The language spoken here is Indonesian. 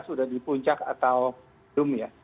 bahwa kita sudah di puncak atau zoom ya